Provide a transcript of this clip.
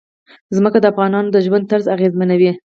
ځمکه د افغانانو د ژوند طرز اغېزمنوي.